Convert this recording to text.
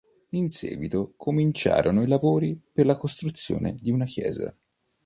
In seguito cominciarono i lavori per la costruzione di una chiesa.